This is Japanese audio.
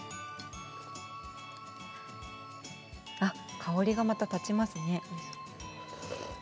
香りがまた立ちますね。